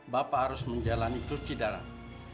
bapak harus menjalani cuci darah